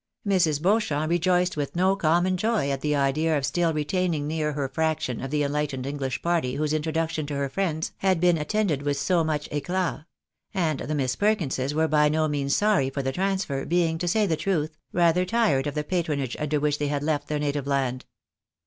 Mrs. Beauchamp rejoiced with no common joy at the idea of still retaining near her a fraction of the enlightened Enghsh party whose introduction to her friends had been attended with so much eclat ; and the Miss Perkinses were by ^lo means sorry for the transfer, being, to say the truth, rather tired of the patronage under which they had left their native land.